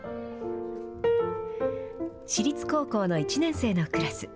私立高校の１年生のクラス。